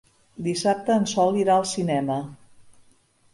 Dissabte en Sol irà al cinema.